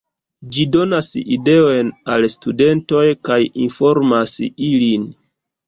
Ĝi donas ideojn al studentoj kaj informas ilin.